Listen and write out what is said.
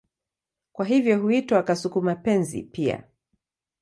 Kwa hivyo huitwa kasuku-mapenzi pia.